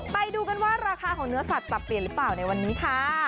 ไปดูกันว่าราคาของเนื้อสัตว์ปรับเปลี่ยนหรือเปล่าในวันนี้ค่ะ